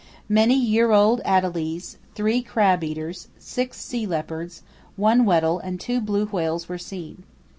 Many year old adelies, three crab eaters, six sea leopards, one Weddell and two blue whales were seen.